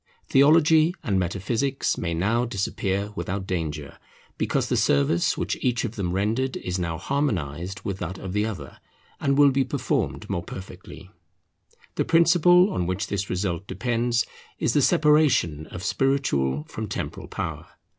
Theology and Metaphysics may now disappear without danger, because the service which each of them rendered is now harmonized with that of the other, and will be performed more perfectly. The principle on which this result depends is the separation of spiritual from temporal power.